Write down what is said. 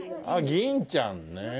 銀ちゃんね。